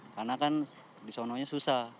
karena kan di sononya susah